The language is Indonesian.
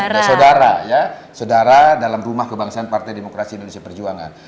pak ganjar ini adalah adik kakak saudara dalam rumah kebangsaan partai demokrasi indonesia perjuangan